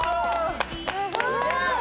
すごーい！